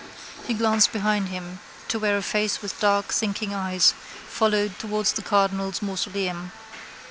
He glanced behind him to where a face with dark thinking eyes followed towards the cardinal's mausoleum.